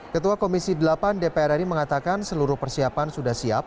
ketua komisi delapan dpr ri mengatakan seluruh persiapan sudah siap